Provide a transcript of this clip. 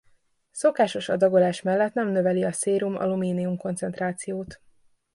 Szokásos adagolás mellett nem növeli a szérum alumínium koncentrációt.